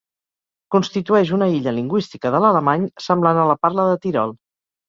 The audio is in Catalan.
Constitueix una illa lingüística de l'alemany, semblant a la parla de Tirol.